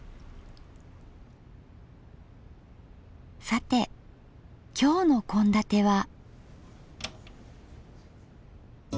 さて今日の献立は。